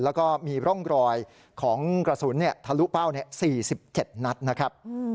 แล้วก็มีร่องรอยของกระสุนทะลุเป้า๔๗นัดนะครับ